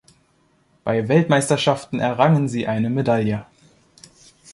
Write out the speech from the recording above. Bei Weltmeisterschaften errangen sie eine Medaille.